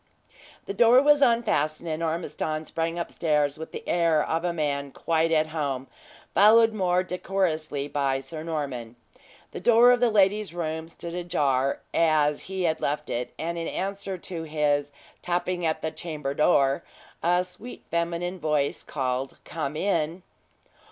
The door was unfastened, and Ormiston sprang upstairs with the air of a man quite at home, followed more decorously by Sir Norman. The door of the lady's room stood ajar, as he had left it, and in answer to his "tapping at the chamber door," a sweet feminine voice called "come in."